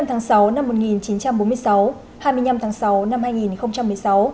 hai mươi tháng sáu năm một nghìn chín trăm bốn mươi sáu hai mươi năm tháng sáu năm hai nghìn một mươi sáu